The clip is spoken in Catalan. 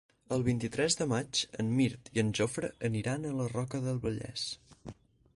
El vint-i-tres de maig en Mirt i en Jofre aniran a la Roca del Vallès.